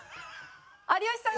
有吉さん。